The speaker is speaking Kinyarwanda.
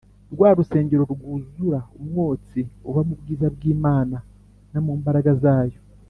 Rwa rusengero rwuzura umwotsi uva mu bwiza bw’Imana no mu mbaraga zayo,